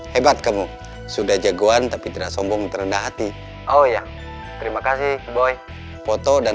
hebat kamu sudah jagoan tapi tidak sombong terendah hati oh ya terima kasih boy foto dan